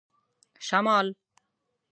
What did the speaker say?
شمال